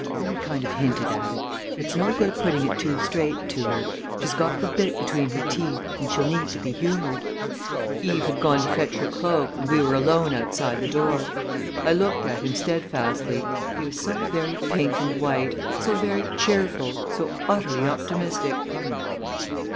"Only kind of hinted at it. It's no good putting it too straight to her. She's got the bit between her teeth and she'll need to be humored." Eve had gone to fetch her cloak and we were alone outside the door. I looked at him steadfastly he was so very pink and white, so very cheerful, so utterly optimistic!